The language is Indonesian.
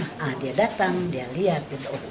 nah dia datang dia lihat